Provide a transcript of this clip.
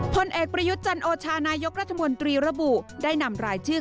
พลเอกประยุทธ์จันโอชานายกรัฐมนตรีระบุได้นำรายชื่อ